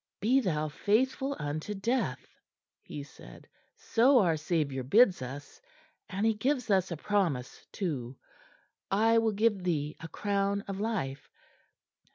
"'Be thou faithful unto death,'" he said. "So our Saviour bids us, and He gives us a promise too: 'I will give thee a crown of life.'